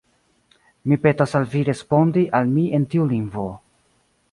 Mi petas al vi respondi al mi en tiu lingvo.